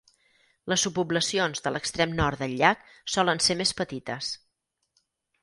Les subpoblacions de l'extrem nord del llac solen ser més petites.